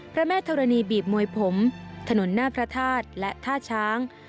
พระแม่ธรณีบีบมวยผมถนนหน้าพระธาตุและท่าช้าง